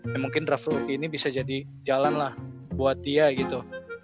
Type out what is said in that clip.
ya mungkin draft rooki ini bisa jadi jalan lah buat dia gitu